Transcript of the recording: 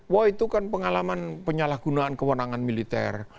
wah itu kan pengalaman penyalahgunaan kewenangan militer